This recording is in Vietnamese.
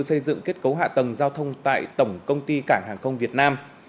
xây dựng kết cấu hạ tầng giao thông tại tổng công ty cảng hàng không việt nam